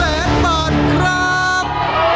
๑ล้านบาทครับ